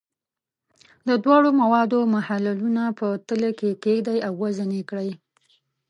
د دواړو موادو محلولونه په تلې کې کیږدئ او وزن یې کړئ.